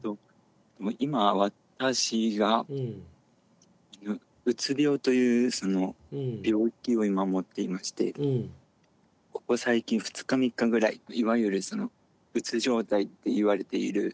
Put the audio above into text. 今私がうつ病というその病気を今持っていましてここ最近２日３日ぐらいいわゆるそのうつ状態っていわれている。